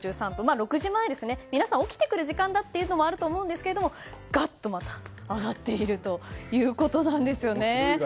６時前、皆さん起きてくる時間というのもあると思いますがガッと上がっているということなんです。